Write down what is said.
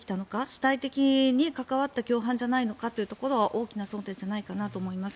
主体的に関わった共犯じゃないのかというのは大きな争点だと思います。